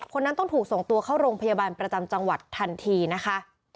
คนนั้นต้องถูกส่งตัวเข้าโรงพยาบาลประจำจังหวัดทันทีนะคะ